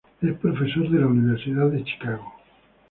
Es profesor de la Universidad de Chicago.